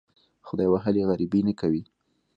خدای وهلي غریبي نه کوي.